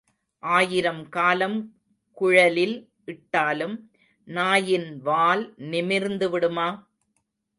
ஆயிரம் காலம் குழலில் இட்டாலும் நாயின் வால் நிமிர்ந்து விடுமா?